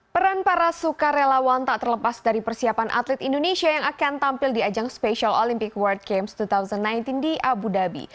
peran para sukarelawan tak terlepas dari persiapan atlet indonesia yang akan tampil di ajang special olympic world games dua ribu sembilan belas di abu dhabi